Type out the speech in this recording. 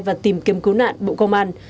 và tìm kiếm cứu nạn bộ công an